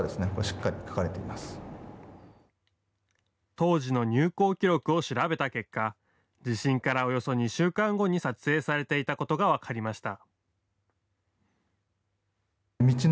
当時の入港記録を調べた結果地震から、およそ２週間後に撮影されていたことが分かりました。